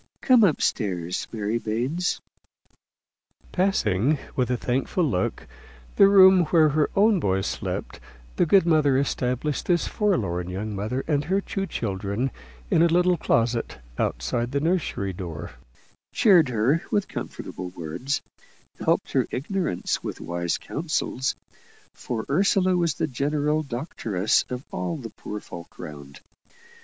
Come up stairs, Mary Baines." Passing, with a thankful look, the room where her own boys slept, the good mother established this forlorn young mother and her two children in a little closet outside the nursery door; cheered her with comfortable words; helped her ignorance with wise counsels for Ursula was the general doctress of all the poor folk round.